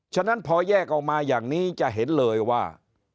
ฉะนั้นพอแยกออกมาอย่างนี้จะเห็นเลยว่า